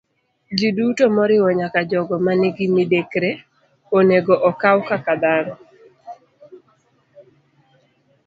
Jiduto, moriwo nyaka jogo ma nigi midekre, onego okaw kaka dhano.